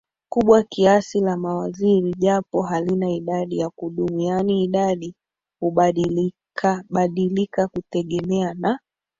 kubwa kiasi la Mawaziri japo halina idadi ya kudumu yaani idadi hubadilikabadilika kutegemea na